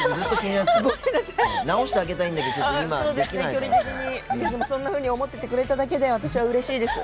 距離的にでもそんなふうに思っててくれただけで私は、うれしいです。